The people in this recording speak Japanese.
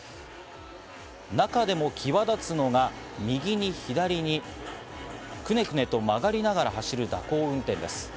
中でも際立つのが、右に左にくねくねと曲がりながら走る蛇行運転です。